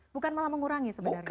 bukan malah mengurangi sebenarnya